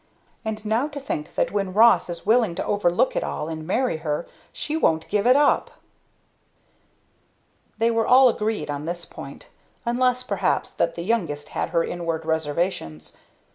And now to think that when Ross is willing to overlook it all and marry her, she won't give it up!" They were all agreed on this point, unless perhaps that the youngest had her inward reservations.